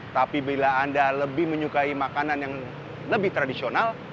tapi bila anda lebih menyukai makanan yang lebih tradisional